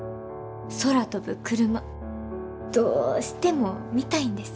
空飛ぶクルマどうしても見たいんです。